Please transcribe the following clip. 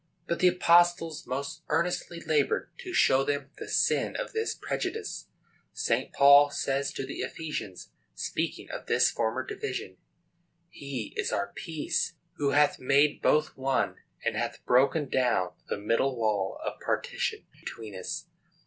But the apostles most earnestly labored to show them the sin of this prejudice. St. Paul says to the Ephesians, speaking of this former division, "He is our peace, who hath made both one, and hath broken down the middle wall of partition between us."